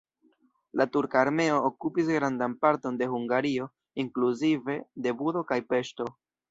La turka armeo okupis grandan parton de Hungario inkluzive de Budo kaj Peŝto.